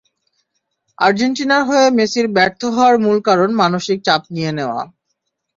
আর্জেন্টিনার হয়ে মেসির ব্যর্থ হওয়ার মূল কারণ মানসিক চাপ নিয়ে নেওয়া।